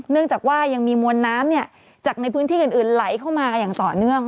เนื่องจากว่ายังมีมวลน้ำจากในพื้นที่อื่นไหลเข้ามาอย่างต่อเนื่อง